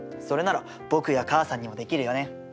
それなら僕や母さんにもできるよね。